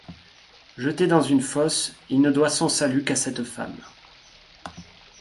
Jetté dans une fosse il ne doit son salut qu'à cette femme.